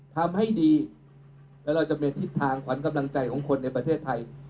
ทำให้ดีและเราจะมีทิศทางขวัญกำลังใจของคนในประเทศไทย